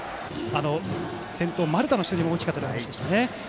先頭、丸田の出塁も大きかったですね。